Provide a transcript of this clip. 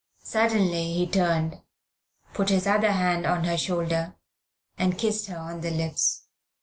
Suddenly he turned, put his other hand on her shoulder, and kissed her on the lips.